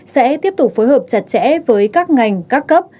sẽ tiếp tục phối hợp chặt chẽ với các ngành các cấp